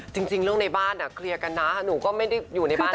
จริงเรื่องในบ้านเคลียร์กันนะหนูก็ไม่ได้อยู่ในบ้าน